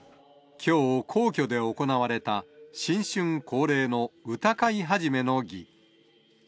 きょう皇居で行われた、新春恒例の歌会始の儀。